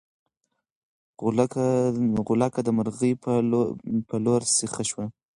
غولکه د مرغۍ په لور سیخه شوه.